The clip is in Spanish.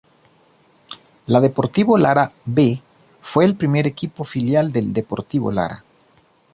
La Deportivo Lara "B" fue el primer equipo filial del Deportivo Lara.